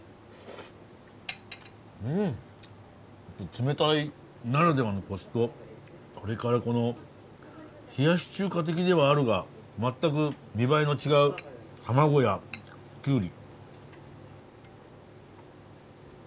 冷たいならではのコシとそれからこの冷やし中華的ではあるが全く見栄えの違う卵やきゅうり。